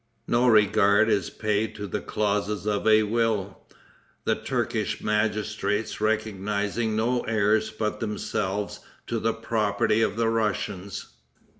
No regard is paid to the clauses of a will, the Turkish magistrates recognizing no heirs but themselves to the property of the Russians.